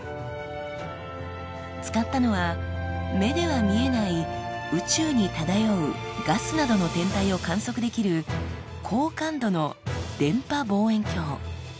使ったのは目では見えない宇宙に漂うガスなどの天体を観測できる高感度の電波望遠鏡。